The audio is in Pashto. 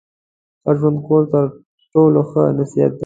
ښه ژوند کول تر ټولو ښه نصیحت دی.